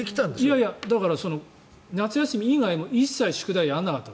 いやいや、夏休み以外も一切宿題をやらなかった。